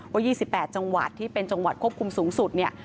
๒๘จังหวัดที่เป็นจังหวัดควบคุมสูงสุดเนี่ย